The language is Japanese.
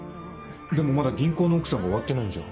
でもまだ銀行の奥さんが終わってないんじゃ。